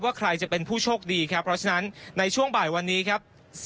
ใครจะเป็นผู้โชคดีครับเพราะฉะนั้นในช่วงบ่ายวันนี้ครับ